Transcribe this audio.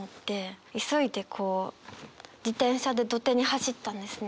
急いでこう自転車で土手に走ったんですね。